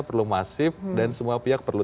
perlu masif dan semua pihak perlu